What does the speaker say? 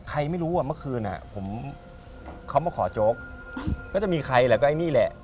ไม่รู้ว่าเมื่อคืนอ่ะผมเขามาขอโจ๊กก็จะมีใครแหละก็ไอ้นี่แหละ